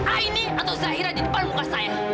aini atau zahira di depan muka saya